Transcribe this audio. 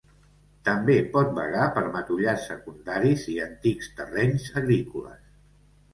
També pot vagar per matollars secundaris i antics terrenys agrícoles.